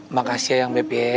makasih ayang beb ya